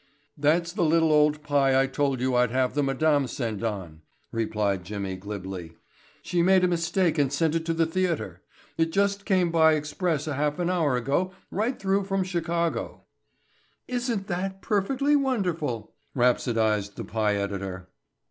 "That's the little old pie I told you I'd have the madame send on," replied Jimmy glibly. "She made a mistake and sent it to the theatre. It just came by express a half an hour ago right through from Chicago." "Isn't that perfectly wonderful," rhapsodized the pie editor.